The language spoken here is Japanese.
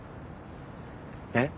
えっ？